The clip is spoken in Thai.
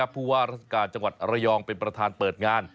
ผู้ว่าราชการจังหวัดระยองเป็นประธานเปิดงาน